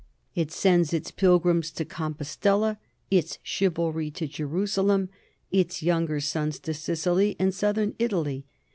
It sends its pilgrims to Com postela, its chivalry to Jerusalem, its younger sons to Sicily and southern Italy.